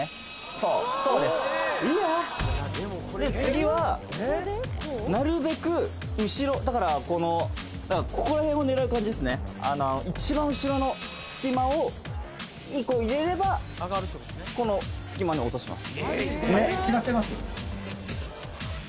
そうそうですだからこのここらへんを狙う感じですね一番後ろの隙間に入れればこの隙間に落とします